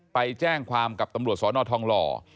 ไปแจ้งความกับตำรวจสนทองหล่อ